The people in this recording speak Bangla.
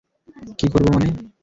কি করবো মানে?